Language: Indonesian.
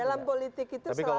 dalam politik itu selalu